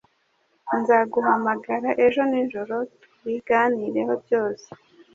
Nzaguhamagara ejo nijoro tubiganireho byose.